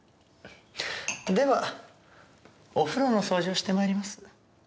ではお風呂の掃除をして参ります。